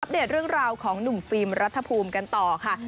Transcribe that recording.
เดตเรื่องราวของหนุ่มฟิล์มรัฐภูมิกันต่อค่ะ